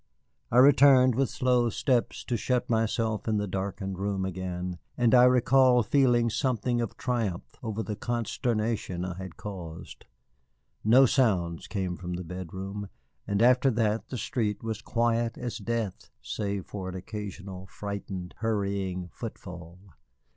I returned with slow steps to shut myself in the darkened room again, and I recall feeling something of triumph over the consternation I had caused. No sounds came from the bedroom, and after that the street was quiet as death save for an occasional frightened, hurrying footfall.